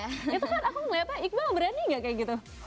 itu kan aku ngelihatnya iqbal berani gak kayak gitu